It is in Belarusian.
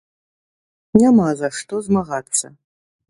Няма за што змагацца.